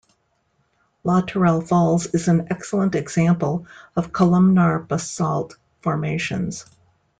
Latourell Falls is an excellent example of columnar basalt formations.